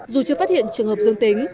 dù chưa phát hiện trường hợp dương tính